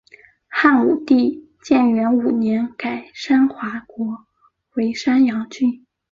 汉武帝建元五年改山划国为山阳郡。